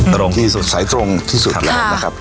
ตรงที่สุดทำอะไรนะครับที่สายตรงที่สุด